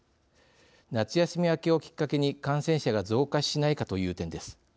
夏休み明けをきっかけに感染者が増加しないかという点です。